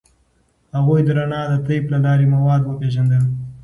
هغوی د رڼا د طیف له لارې مواد وپیژندل.